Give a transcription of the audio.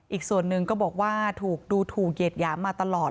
อีกส่วนหนึ่งก็บอกว่าถูกดูถูเคจย้ำมันตลอด